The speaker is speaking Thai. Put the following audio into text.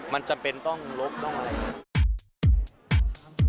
มันจำเป็นต้องลบต้องอะไร